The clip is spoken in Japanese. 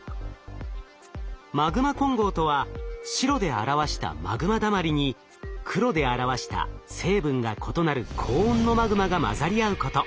マグマ混合とは白で表したマグマだまりに黒で表した成分が異なる高温のマグマが混ざり合うこと。